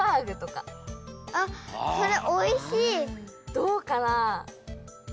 どうかな？